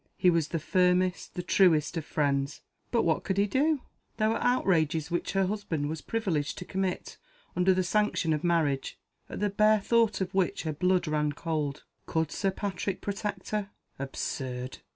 He was the firmest, the truest of friends. But what could he do? There were outrages which her husband was privileged to commit, under the sanction of marriage, at the bare thought of which her blood ran cold. Could Sir Patrick protect her? Absurd!